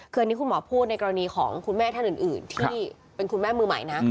คืออันนี้คุณหมอพูดในกรณีของคุณแม่ท่านอื่นที่เป็นคุณแม่มือใหม่นะ